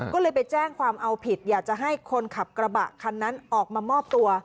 ก็เลยไปแจ้งความเอาผิดอยากจะให้คนขับกระบะคันนั้นออกมามอบตัว